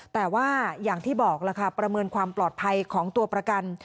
แต่ว่าอย่างที่บอกล่ะค่ะประเมินความปลอดภัยของตัวประกัน